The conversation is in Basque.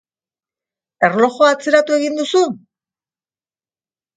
Erlojua atzeratu egin duzu?